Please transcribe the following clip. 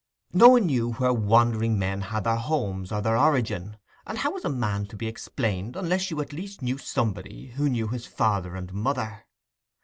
No one knew where wandering men had their homes or their origin; and how was a man to be explained unless you at least knew somebody who knew his father and mother?